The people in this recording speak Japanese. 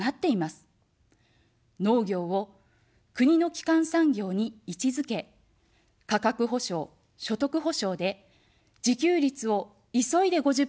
農業を国の基幹産業に位置づけ、価格補償、所得補償で自給率を急いで５０％に戻します。